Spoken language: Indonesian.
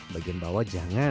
bagian bawah jangan